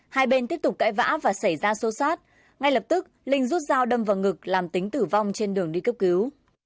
hai bên tiếp tục cãi vã và xảy ra xô xát ngay lập tức linh rút dao đâm vào ngực làm tính tử vong trên đường đi cấp cứu